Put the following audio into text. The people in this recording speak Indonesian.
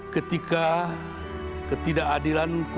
ketika ketidakadilan kusyukur